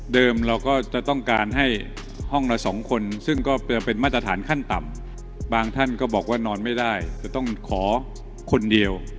เราก็จะต้องการให้ห้องละ๒คนซึ่งก็เป็นมาตรฐานขั้นต่ำบางท่านก็บอกว่านอนไม่ได้จะต้องขอคนเดียว